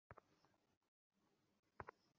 অসাধারণ খুব সুন্দর।